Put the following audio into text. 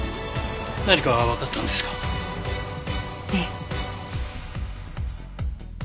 何かわかったんですか？